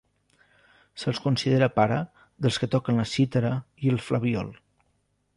Se'l considera pare dels que toquen la cítara i el flabiol.